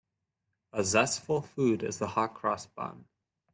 A zestful food is the hot-cross bun.